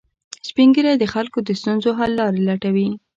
سپین ږیری د خلکو د ستونزو حل لارې لټوي